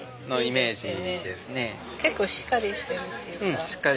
結構しっかりしてるっていうか。